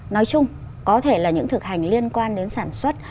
nói chung có thể là những thực hành liên quan đến sản xuất